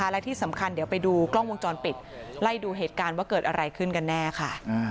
และที่สำคัญเดี๋ยวไปดูกล้องวงจรปิดไล่ดูเหตุการณ์ว่าเกิดอะไรขึ้นกันแน่ค่ะ